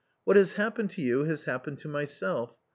What has happened to you has happened to myself.